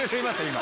今。